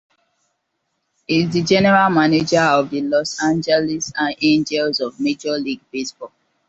He is the general manager of the Los Angeles Angels of Major League Baseball.